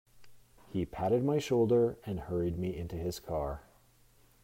He patted my shoulder and hurried me into his car.